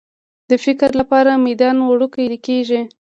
د فکر لپاره میدان وړوکی کېږي.